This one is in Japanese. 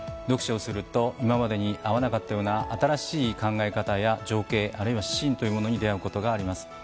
読書をすると今までに会わなかったような新しい考え方や情景あるいはシーンというものに出合うことがあります。